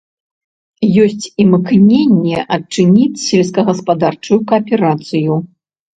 Ёсць імкненне адчыніць сельскагаспадарчую кааперацыю.